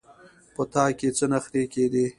په تا کې څه نخرې کېدې.